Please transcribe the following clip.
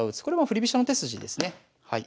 これも振り飛車の手筋ですね。